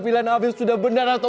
semoga afif gak menyesal papa